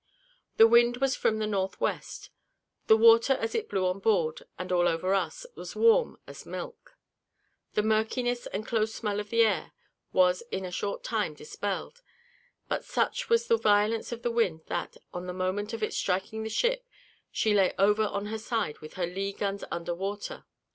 The wind was from the north west the water as it blew on board, and all over us, was warm as milk; the murkiness and close smell of the air was in a short time dispelled; but such was the violence of the wind, that, on the moment of its striking the ship, she lay over on her side with her lee guns under water.